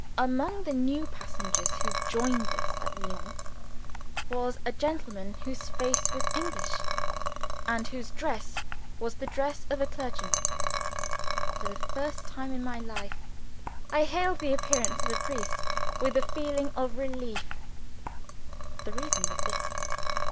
Among the new passengers who joined us at Lyons was a gentleman whose face was English, and whose dress was the dress of a clergyman. For the first time in my life, I hailed the appearance of a priest with a feeling of relief. The reason was this.